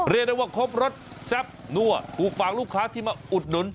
เรียกได้ว่าครบรสแซ่บนั่วถูกปากลูกค้าที่มาอุดหนุน